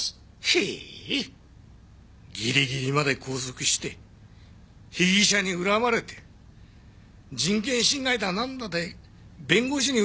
へえギリギリまで拘束して被疑者に恨まれて人権侵害だなんだで弁護士に訴えられたいんだ？